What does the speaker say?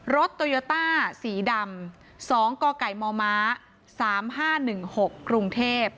รถตอยอต้าสีดำสองกมสามห้าหนึ่งหกกรุงเทพฯ